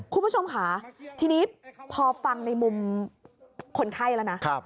คุณผู้ชมค่ะทีนี้พอฟังในมุมคนไข้แล้วนะ